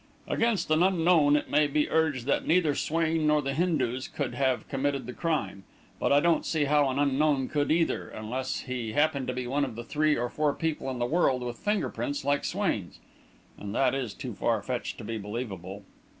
"Against an unknown it may be urged that neither Swain nor the Hindus could have committed the crime; but I don't see how an unknown could either, unless he happened to be one of the three or four people in the world with finger tips like Swain's. And that is too far fetched to be believable.